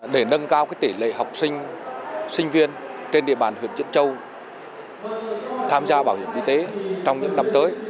để nâng cao tỷ lệ học sinh sinh viên trên địa bàn huyện diễn châu tham gia bảo hiểm y tế trong những năm tới